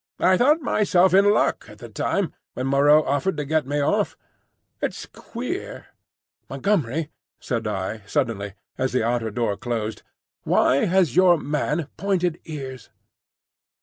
I thought myself in luck at the time, when Moreau offered to get me off. It's queer—" "Montgomery," said I, suddenly, as the outer door closed, "why has your man pointed ears?"